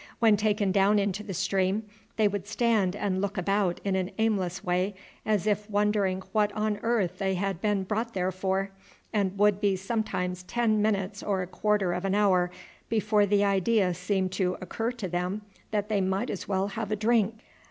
When taken down into the stream they would stand and look about in an aimless way as if wondering what on earth they had been brought there for, and would be sometimes ten minutes or a quarter of an hour before the idea seemed to occur to them that they might as well have a drink.